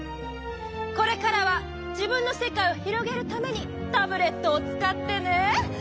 これからはじぶんのせかいをひろげるためにタブレットをつかってね。